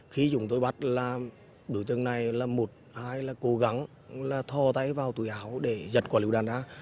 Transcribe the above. khi chúng tôi bắt là đối tượng này là một ai là cố gắng là thò tay vào túi áo để giật quả lưu đạn ra